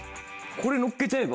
これのっけちゃえば。